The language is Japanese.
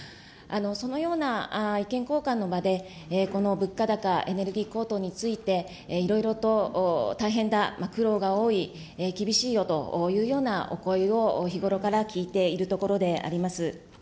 そのような意見交換の場で、この物価高、エネルギー高騰について、いろいろと大変だ、苦労が多い、厳しいよというようなお声を日頃から聞いているところであります。